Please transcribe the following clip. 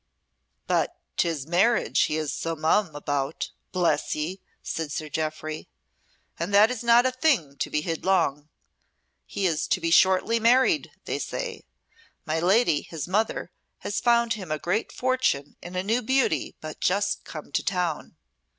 "But 'tis marriage he is so mum about, bless ye!" said Sir Jeoffry. "And that is not a thing to be hid long. He is to be shortly married, they say. My lady, his mother, has found him a great fortune in a new beauty but just come to town.